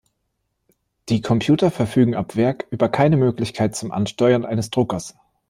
Die Computer verfügen ab Werk über keine Möglichkeiten zum Ansteuern eines Druckers.